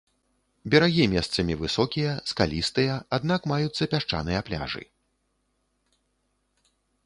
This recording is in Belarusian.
Берагі месцамі высокія, скалістыя, аднак маюцца пясчаныя пляжы.